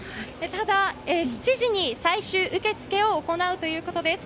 ただ、７時に最終受け付けを行うということです。